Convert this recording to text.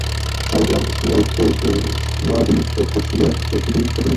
শালগ্রাম-শিলা উক্ত অস্তিভস্মাদি-রক্ষণ-শিলার প্রাকৃতিক প্রতিরূপ।